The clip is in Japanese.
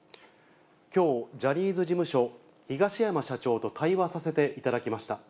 きょう、ジャニーズ事務所、東山社長と対話させていただきました。